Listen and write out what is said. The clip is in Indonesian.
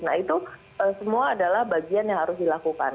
nah itu semua adalah bagian yang harus dilakukan